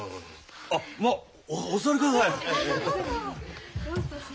あっまあお座りください。